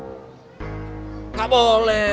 kenapa gak boleh